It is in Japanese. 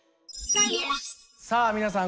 さあ皆さん